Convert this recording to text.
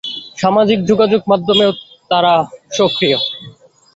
সামাজিক যোগাযোগমাধ্যমেও তাঁরা সক্রিয়।